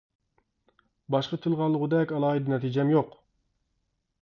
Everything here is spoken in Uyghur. باشقا تىلغا ئالغۇدەك ئالاھىدە نەتىجەم يوق.